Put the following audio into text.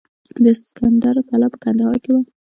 د اسکندر کلا په کندهار کې وه